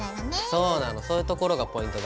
そうなのそういうところがポイントだね。